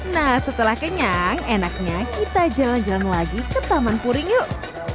nah setelah kenyang enaknya kita jalan jalan lagi ke taman puring yuk